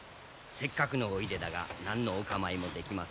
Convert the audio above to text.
せっかくのおいでだが何のお構いもできませんぞ。